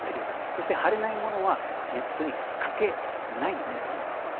そして貼れないものは、ネットに書けないんですね。